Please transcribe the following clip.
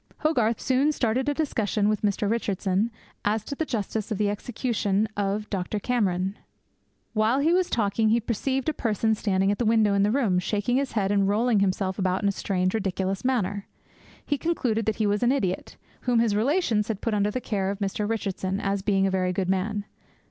Hogarth soon started a discussion with Mr. Richardson as to the justice of the execution of Dr. Cameron. 'While he was talking, he perceived a person standing at a window in the room, shaking his head, and rolling himself about in a strange, ridiculous manner. He concluded that he was an idiot, whom his relations had put under the care of Mr. Richardson, as being a very good man.